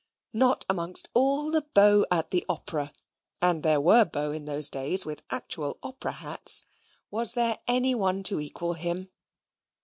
Not amongst all the beaux at the Opera (and there were beaux in those days with actual opera hats) was there any one to equal him.